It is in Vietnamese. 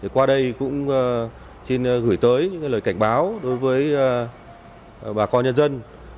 qua đây xin gửi tới các lời cảnh báo đối với bà con nhân dân